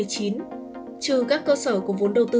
trừ các cơ sở của vốn đầu tư